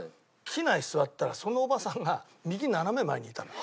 機内座ったらそのおばさんが右斜め前にいたの。